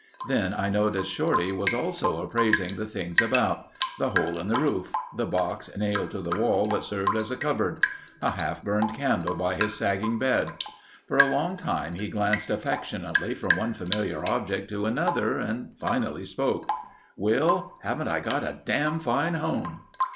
Then I noticed Shorty was also appraising the things about—the hole in the roof; the box nailed to the wall that served as a cupboard. A half burned candle by his sagging bed. For a long time he glanced affectionately from one familiar object to another and finally spoke: "Will, haven't I got a dam' fine home?"